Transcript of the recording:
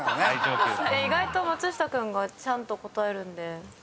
意外と松下君がちゃんと答えるんで。